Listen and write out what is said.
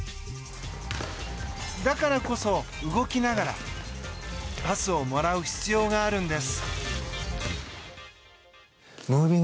だからこそ、動きながらパスをもらう必要があるんです。